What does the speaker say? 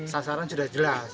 sasaran sudah jelas